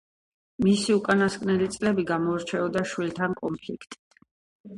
მისი უკანასკნელი წლები გამოირჩეოდა შვილთან კონფლიქტით.